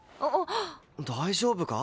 大丈夫か？